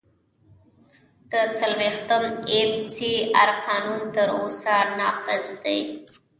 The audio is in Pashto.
د څلوېښتم اېف سي آر قانون تر اوسه نافذ دی.